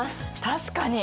確かに。